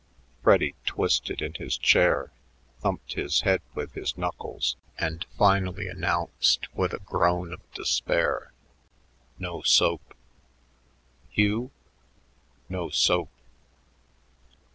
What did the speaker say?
Freddy twisted in his chair, thumped his head with his knuckles, and finally announced with a groan of despair, "No soap." "Hugh?" "No soap."